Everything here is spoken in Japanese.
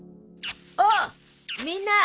おおみんな。